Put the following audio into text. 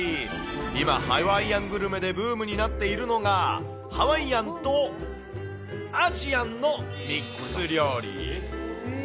今、ハワイアングルメでブームになっているのが、ハワイアンとアジアンのミックス料理。